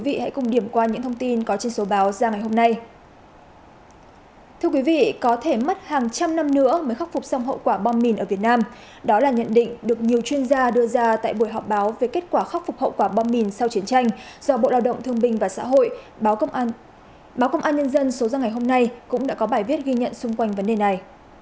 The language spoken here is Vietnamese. báo công an nhân dân số ra ngày hôm nay cũng đã có bài viết ghi nhận xung quanh vấn đề này